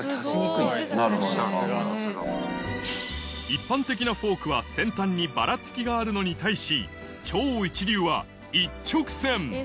一般的なフォークは先端にバラつきがあるのに対し超一流は一直線！